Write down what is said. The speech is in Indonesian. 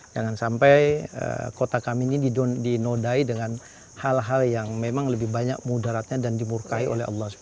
jangan sampai kota kami ini dinodai dengan hal hal yang memang lebih banyak mudaratnya dan dimurkahi oleh allah swt